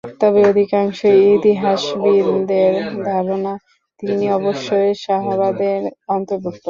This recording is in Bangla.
তবে অধিকাংশ ইতিহাসবিদদের ধারণা তিনি অবশ্যই সাহাবাদের অন্তর্ভুক্ত।